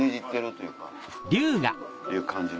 いう感じの。